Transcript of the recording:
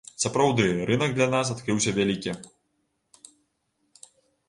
Сапраўды, рынак для нас адкрыўся вялікі.